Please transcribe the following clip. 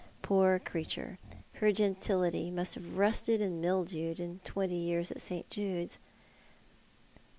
Poor creature. Her gentility must have rusted and mildewed in twenty years at St. Jude's."